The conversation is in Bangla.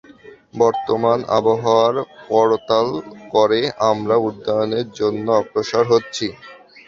বর্তমান আবহাওয়ার পরতাল করে, আমরা উড্ডয়নের জন্য অগ্রসর হচ্ছি।